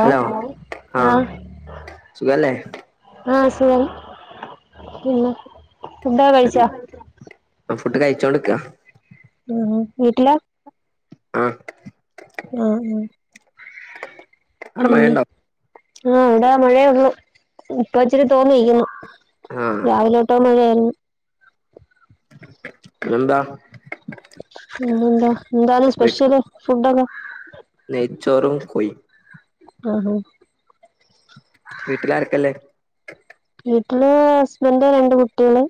Hello ആ ആഹ് സുഖല്ലേ? ആ സുഖം പിന്നെ ഫുഡൊക്കെ കഴിച്ചാ? ഫുഡ് കഴിച്ചോണ്ട്ക്കാ ആ വീട്ടിലാ ആ ആ ആ അവടെ മഴണ്ടോ? ആ ഇവടെ മഴയൊള്ളു ഇപ്പം ഇച്ചിരി തോന്ന് നിക്കുന്നു. ആഹ് രാവിലെ [unintelligible] എന്താ? പിന്നെന്താ എന്താണ് വീട്ട് സ്പെഷ്യല് ഫുഡൊക്കെ? നെയ്ച്ചോറും കോയിം. ആഹാ വീട്ടിലാരൊക്കെല്ലേ വീട്ടില് ഹസ്ബൻഡ് രണ്ട് കുട്ട്യേള്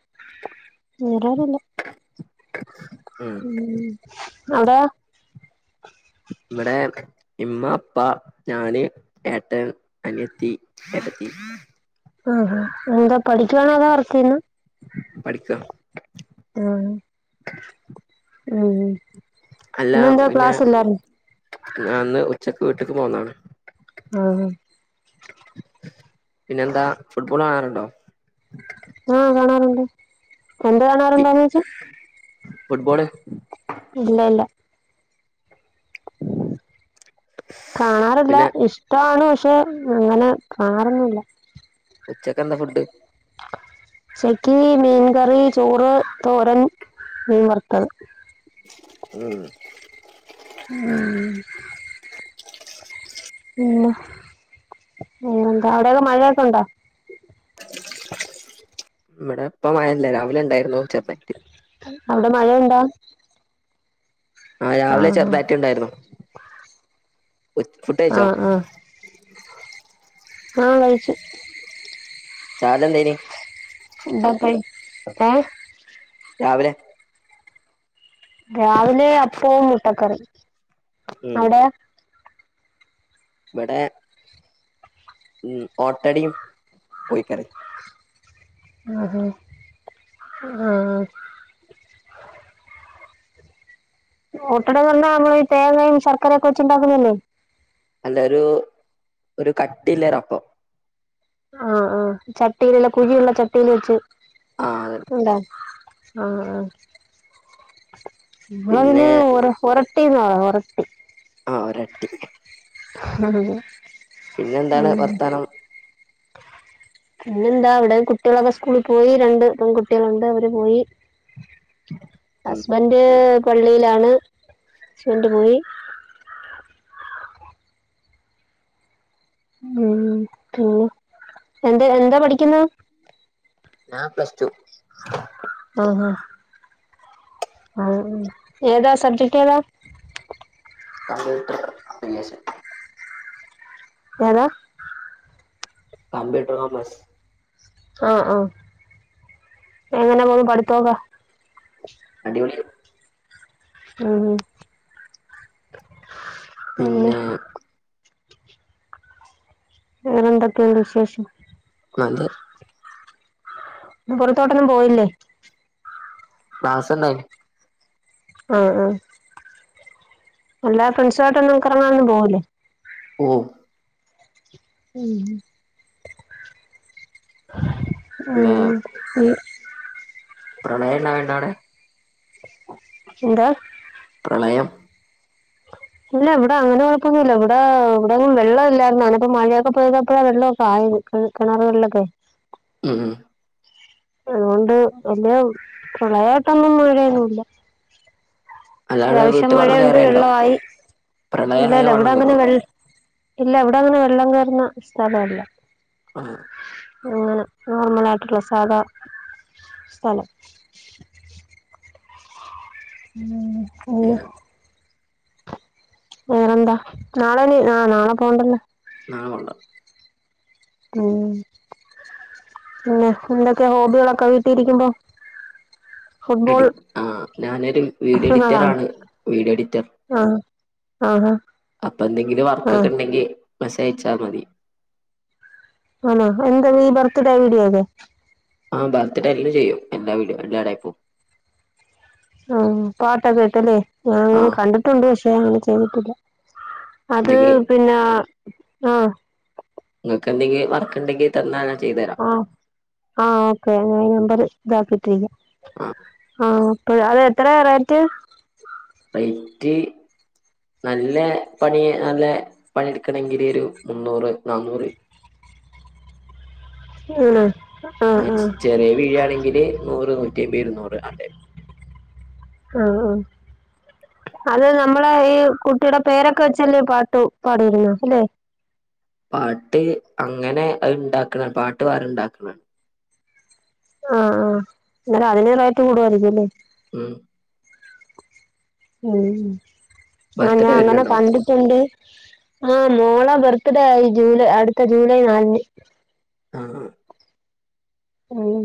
ഉം. ആരുല്ല ഉം അവടോ? ഇവടെ ഇമ്മ, ഇപ്പ, ഞാന്, ഏട്ടൻ, അനിയത്തി, ഏട്ടത്തി. ആഹാ എന്താ പഠിക്ക്യാണോ അതോ വർക്കെയ്യാണോ? പഠിക്കുവാ. ആ ഉം അല്ല ഇന്നെന്താ പിന്നെ ക്ലാസ് ഇല്ലായിരുന്നോ ഇന്ന് വന്ന് ഉച്ച വീട്ട്ക്ക് പോന്നാണ്. ആ ആ ആ കാണാറുണ്ട്. എന്ത് കാണാറുണ്ടോന്നോയ്ച്ചേ ഫുട്ബോള്. ഇല്ല ല്ല കാണാറില്ല പിന്നെ ഇഷ്ടാണ് പ പക്ഷെ അങ്ങനെ കാറൊന്നുല്ല. ഉച്ചക്കെന്താ ഫുഡ്? ചെക്കി മീൻകറി ചോറ് തോരൻ മീൻ വറുത്തത് ഉം ഉം പിന്നെ പിന്നെന്താ അവിടൊകെ മഴയൊക്കെ ഉണ്ടോ ഇവിടെപ്പം മഴയില്ല രാവിലെ ണ്ടായിരുന്നു ചെറുതായിട്ട് അവിടെ മഴണ്ടാ ആ രാവിലെ ചെറുതായിട്ട്ണ്ടായിരുന്നു ഉച് ആ ഫുഡയിച്ചോ ആ ആ ആ കഴിച്ചു ചാലെന്തെനി [unintelligible] രാവിലെ രാവിലെ അപ്പവും മുട്ടക്കറി അവിടെയോ വിടെ ഉം ഓട്ടടിയും കോയിക്കറി ആ ആ അ അ ആ ഒട്ടട [unintelligible] തേങ്ങയും ശർക്കരയൊക്കെ വച്ചുണ്ടാക്കുന്നല്ലേ അല്ല ഒരു ഒരു കട്ടില്ലരപ്പം ആ ആ ചട്ടിയിലല്ലേ കുഴിയുള്ള ചട്ടിൽ വെച്ച് ആഹ് അതന്നെ ഉണ്ടാ ആ ആ പിന്നെ ഇവളയ്ന് ഓര ഓരെ [unintelligible] ആ ഒരട്ടി [unintelligible] പിന്നെ എന്താണ് വർത്താനം പിന്നെന്താ ഇവിടെ കുട്ടികളൊക്കെ സ്കൂളി പോയി രണ്ട് പെൺകുട്ടികളുണ്ട് അവര് പോയി ഉം ഹസ്ബന്റ് പള്ളിയിലാണ് ചീണ്ടുപോയി ഉം പിന്നെ എന്ത എന്താ പഠിക്കുന്നേ ഞാൻ പ്ലസ് ടു ആ ഹ് ആ ഏതാ സബ്ജക്ട് ഏതാ കംമ്പ്യൂട്ടർ അപ്ലിക്കേഷൻ ഏതാ കമ്പ്യൂട്ടർ ഒമേസ് ആ ആ എങ്ങനെ പോകുന്നു പഠിത്തോക്കെ അടിപൊളില് ആഹ് പിന്നെ വേറെന്തൊക്കെയണ്ട് വിശേഷം [unintelligible] പൊറത്തോട്ടൊന്നും പോയില്ലേ ക്ലാസ് ഉണ്ടായിരുന്നു ആ ആ എല്ലാ ഫ്രണ്ട്സു ആമായിട്ടൊ ഒന്നുംക്ക്റങ്ങ ഒന്നും പോകലേ ഓ ഉം ആ പ്രളയ എന്നാ വേണ്ട അവിടെ എന്താ അയം ഇല്ല ഇവിടെ അങ്ങനെ കുഴപ്പൊന്നല്ല ഇവിടെ ഇവിടെും വെള്ളം ഇല്ലായിരുന്നാണ്പ്പ മഴയൊക്കെ പെയ്താപ്പോ വെള്ളമൊക്കെ ആയി കിണാറുകളിലൊക്കെ ഉം അതുകൊണ്ട് വലിയ പ്രളയത്തന്നൊന്നും വരൊന്നല്ല അല്ലാടെ അത്യാവിശ്യം വീട്ടിൽ വെള്ളം മഴയുണ്ട് കയറേണ്ടോ വെള്ളമായി പ്രളയമായ ഇല്ലല്ല ഇവിടെ വെള്ളം കയറോ അങ്ങനെ വെള്ള ഇല്ല ഇവിടെ അങ്ങനെ വെള്ളം കയറുന്ന സ്ഥലംല്ല ആഹ അങ്ങനെ നോർമല ആയിട്ടുള്ള സ്ഥലം ഉം [inaudible] വേറന്താ നളെ ആ നളെ പോണ്ടരല്ല നാളെ പോവണ്ട ഉം പിന്നെ എന്തൊക്കെ ഹോബികളൊക്കെ വീട്ടിരിക്കുമ്പോ എ ആ ഞാനൊരു വീഡിയോ അതാണ് എഡിറ്ററാണ് വീഡിയോ എഡിറ്റർ ആഹഹ അപ്പൊ എന്തെങ്കിലും വർക്കൊക്കെ ഉണ്ടെങ്കിൽ മെസ്സേജ് അയച്ചാൽ മതി ആണോ എന്താത് ഈ ബർത്ത് ഡേ വീഡിയോക ആഹ ബ്രിത്‌ഡേകൾ ചെയ്യും എല്ലാ ടൈപ്പ്യും ആഹ പാട്ട് ഒക്കെ ഇട്ടു ആ അങ്ങനെ കണ്ടിട്ടുണ്ട് പക്ഷേ പക്ഷെ അങ്ങനെ ചെയ്തിട്ടില്ല അത് എന്തെങ്കി പിന്നെ ആഹ വർക്കുണ്ടെങ്കിൽ തന്നാൽ - ആ ആ ഓക്കെ നമ്പർ നോക്കി ചെയ്യാം ആഹ ആ അത് എത്ര റേറ്റ് വൈകിട്ട് നല്ല പണി നല്ല പണി എടുക്കണെങ്കിൽ ഒരു മുന്നൂറ്‌ നാനൂറ്‌ ആണോ ആ ചെറിയ വീഡിയോ ആണെങ്കില് നൂറ് നൂറ്റി അമ്പത് ഇരുന്നൂറ് ആ ടൈപ്പ് ആ ആ അത് നമ്മടെ ഈ കുട്ടിയുടെ പേരൊക്കെ വെച്ചല്ലേ പാട്ടു പാടിയിടുന്നത് അല്ലേ പാട്ട് അങ്ങനെ അത് ഇണ്ടാക്കണം പാട്ട് വേറെ ഉണ്ടാക്കണം ആ ആ എന്നാല് അതിന് റേറ്റ് കൂടുവാരിക്കും അല്ലേ ഉം ഉം ആ ഞാൻ ബർത്ത്ഡേ അങ്ങനെ വരുന്നുണ്ടോ കണ്ടിട്ടുണ്ട് ആ മോൾടെ ബർത്ത്ഡേ ആയി ജൂലൈ അടുത്ത ജൂലൈ നാലിന് ആ ആ ഉം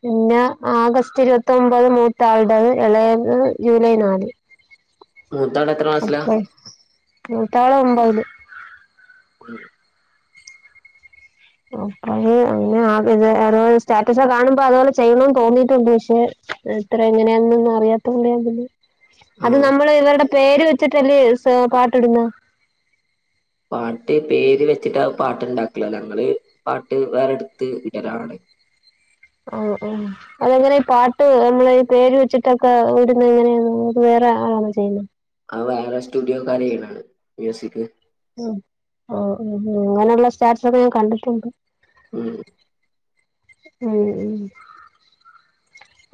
പിന്നെ ആഗസ്റ്റ് ഇരുപത്തൊമ്പത് മൂത്താളുടേത് ഇളയത് ജൂലൈ നാല് മൂത്താള് എത്ര ക്ലാസ്സിലാ അപ്പഴ് മൂത്താള് ഒമ്പതില് ഉം അപ്പ എങ്ങ [unintelligible] സ്റ്റാറ്റസ് കാണുമ്പോ അതുപോലെ ചെയ്യണന്ന് തോന്നീട്ടുണ്ട് പക്ഷെ ഇത്ര എങ്ങനെയാന്നൊന്നും അറിയാത്ത കൊണ്ട് ഞാൻ പിന്നെ അത് ആ നമ്മള് ഇവരുടെ പേര് വെച്ചിട്ടല്ലേ പാട്ടിടുന്നേ പാട്ട് പേര് വെച്ചിട്ടാ പാട്ടുണ്ടാക്കല് ഞങ്ങള് പാട്ട് വേറെടുത്ത് വിടലാണ് ആ ആ അതെങ്ങനാ ഈ പാട്ട് നമ്മള് ഈ പേര് വെച്ചിട്ടൊക്കെ വിടുന്ന എങ്ങനെയാ വേറെ ആളാണോ ചെയ്യുന്നത് ആ വേറെ സ്റ്റുഡിയോക്കാര് ചെയ്യുന്നതാണ് മ്യൂസിക് ഉം ആ അങ്ങനെയുള്ള സ്റ്റാറ്റസൊക്കെ ഞാൻ കണ്ടിട്ടുണ്ട് ഉം ഉം ഉം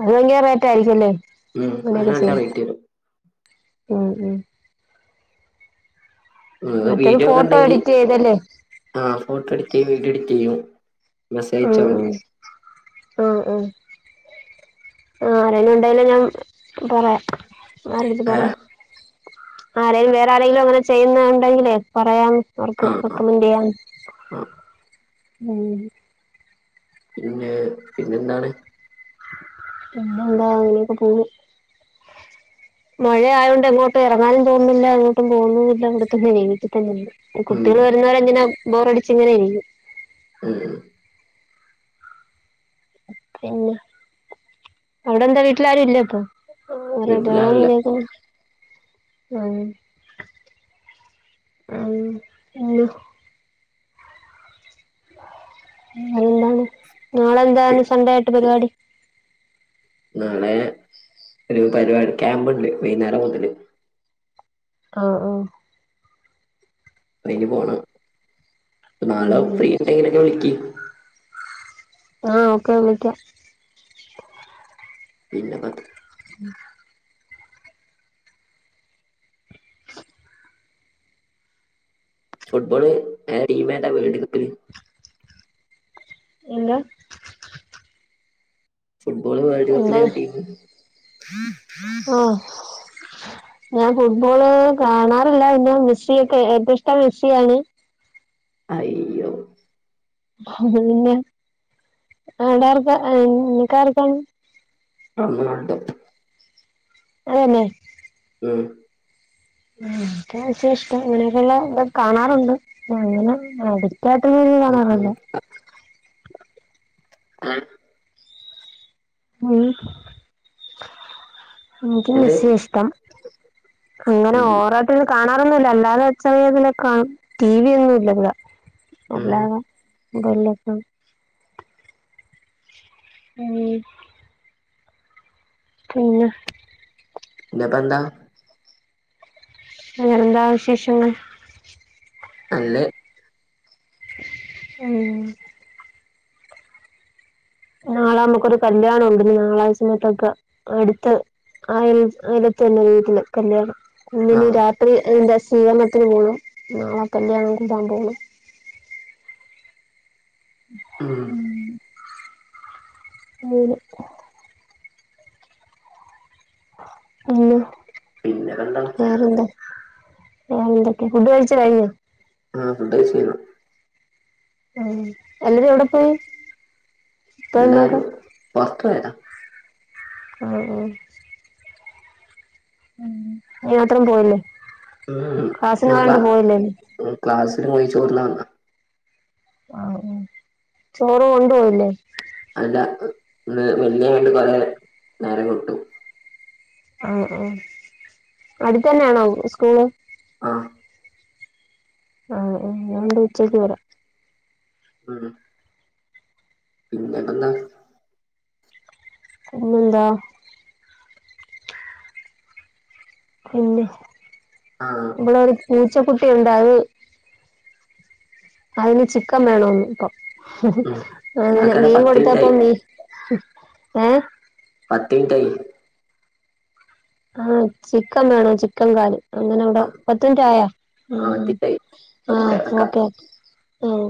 അത് ഭയങ്കര റേറ്റായിരിക്കും അല്ലേ ഉം അതിന് നല്ല റേറ്റ് വരും ഉം ഉം മറ്റേത് വീഡിയോ ഒക്കെ ഫോട്ടോ ഉണ്ടെങ്കി എഡിറ്റ് ചെയ്തല്ലേ ആ ഫോട്ടോ എഡിറ്റ്‌ ചെയ്ത് എഡിറ്റ്‌ ചെയ്യും മെസ്സേജ് അയച്ചാ ഉം മതി ഉം ആ ആ ആ ആരേലും ഉണ്ടായാൽ ഞാൻ പറയാം ആരെടുത്തു ഏ പറയാം ആരെങ്കിലും വേറെ ആരെങ്കിലും അങ്ങനെ ചെയ്യുന്ന ഉണ്ടെങ്കിലേ പറയാന്ന് അവർക്ക് ആ ആ റെക്കമന്റ് ചെയ്യാം ആ ഉം പിന്നെ പിന്നെ എന്താണ് പിന്നെന്താ അങ്ങനെയൊക്കെ പോകുന്നു മഴ ആയ കൊണ്ട് എങ്ങോട്ടും ഇറങ്ങാനും തോന്നുന്നില്ല എങ്ങോട്ടും പോകുന്നുവില്ല ഇവിടെത്തന്നെ ഇരിക്കുന്നു വീട്ടിൽ തന്നെ ഉണ്ട് ഉം കുട്ടികൾ വരുന്നവരെ ഇങ്ങനെ ബോറടിച്ച് ഇങ്ങനെ ഇരിക്കും ഉം പിന്നെ അവിടെ എന്താ വീട്ടിലാരും ഇല്ലേ ഇപ്പൊ ആരുടെയും ബഹളം വീട്ടിലാരുല്ല ഒന്നും കേൾക്കുന്നില്ല ഉം ഉം പിന്നെ എന്താണ് നാളെന്താണ് സൺഡേ ആയിട്ട് പരിപാടി നാളെ ഒരു പരിപാടി ക്യാമ്പുണ്ട് വൈകുന്നേരം മുതല് ആഹ് ഹ് ബാങ്കി പോണം നാളെ ഉം ഫ്രീ ഉണ്ടെങ്കിലൊക്കെ വിളിക്ക് ആ ഓക്കെ വിളിക്കാം പിന്നെ പത്ത് ഫുട്ബോള് ങ്ങ ടീമേതാ വേൾഡ് കപ്പില് എന്താ ഫുട്ബോള് വേൾഡ് കപ്പിലേതാ ടീമ് ഓ ഞാൻ ഫുട്ബോള് കാണാറില്ല പിന്നെ മെസ്സിയൊക്കെ ഏറ്റവും ഇഷ്ടം മെസ്സിയാണ് അയ്യോ പിന്നെ അവിട ആർക്കാ നിങ്കാർക്കാണ് മ്മടത്ത് അതെന്നെ ഉം ആവശ്യ ഇഷ്ടം ഇങ്ങനെക്കുള്ള കാണാറുണ്ട് അങ്ങനെ ആടി രാത്രി പോലും ഉം. കാണാറില്ല ആ ഉം ഇൻക്ക് എന്ത് മെസ്സിയെ ഇഷ്ടം അങ്ങനെ ഉം, ഓവറായിട്ടൊരു കാണാ ങ്ങനൊന്നുല്ല അല്ലാതെ അച്ചാ ഏതെലൊക്ക കാണും ടി വി ഒന്നും ഇല്ല ഇവടെ ഉം. അല്ലാതെ വല്ലപ്പഴും ഏ പിന്നെ പ്പിന്നെപ്പ എന്താ അങ്ങനെ എന്താ വിശേഷങ്ങൾ നല്ലെഅ് ഉം നാളെ അമക്കൊരു കല്ല്യാണം ഉണ്ട് നാളെ ഈ സമയത്തൊക്കെ അടുത്ത് അൽ അയലത്തെന്നെ വീട്ടില് കല്യാണം ആ ഇന്നിനി രാത്രി എന്റച് ഊണത്തിന് പോണം നാളെ കല്യാണം കൂടാൻ പോണം ഉം അങ്ങനെ പിന്നെ പിന്നപ്പന്താണ് എന്തൊക്കെയ ഫുഡ് കഴിച്ച് കഴിഞ്ഞൊ ആ ഫുഡ് കഴിച്ചഴിഞ്ഞു ഉം എല്ലരും എവിടെ പോയി ഇത്താത്തമ്മയൊക്കെ എല്ലാരും വർക്ക്‌കഴിഞ്ഞോ മ് മ് ഉം നീ മാത്രം പോയില്ലേ ഉം ക്ലാസ്സിന് നല്ല പോയോണ്ട് പോയില്ലേ നീ ഉം ക്ലാസ് പോയി ചോറ് ണ്ണാ വന്ന ആ ഹ് ചോറ് കൊണ്ട് പോയില്ലേ അല്ല ഇന്ന് വലിയ വണ്ടി കൊറെ നിറ കൊട്ടു ആ ആ അടുത്തന്നെയാണോ സ്കൂള് ആ ആ മ് തുകൊണ്ട് ഉച്ചയ്ക്ക് വരാ ഉം പിന്നെ എന്താ പിന്നെന്താ പിന്നെ ആ ഇവടെ ഒരു ക്യു ച്ചകുട്ടി ഉണ്ട് അത് അതിന് ചിക്കൻ വേണന്ന് ഇപ്പൊ ഹ ഉം. ഹ അങ്ങനെ ആക്കടെ മീൻ പത്ത് മിനിറ്റ് കൊടുത്തപ്പ ആയി നീ ഏ പട്ടി ടൈപ്പ് ആ ചിക്കൻ വേണം ചിക്കൻകാല് അങ്ങനെ ആ അവിടെ പത്ത് മിനിറ്റ് ആയോ ആ, പത്ത് ഉം മിനിറ്റ് ആയി ആ ഓക്കെ ഓക്കേ